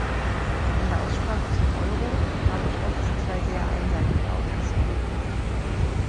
In der Aussprache zum Euro habe ich oft zwei sehr einseitige Auffassungen erlebt.